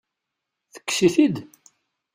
Tekkes-it-id?